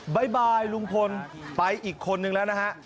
บ่ายลุงพลไปอีกคนนึงแล้วนะฮะ